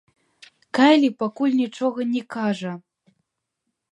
Кайлі пакуль нічога не кажа.